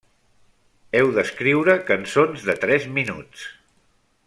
Heu d'escriure cançons de tres minuts.